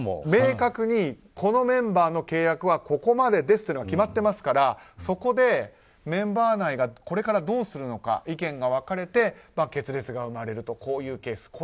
明確にこのメンバーの契約はここまでですと決まっていますからそこでメンバー内がこれからどうするのか意見が分かれて決裂が生まれるとこういうケース。